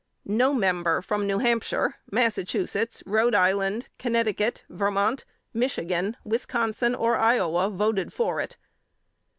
No member from New Hampshire, Massachusetts, Rhode Island, Connecticut, Vermont, Michigan, Wisconsin or Iowa voted for it.